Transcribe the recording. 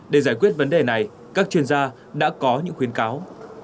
để giải quyết vấn đề này các chuyên gia đã có những khuyến cáo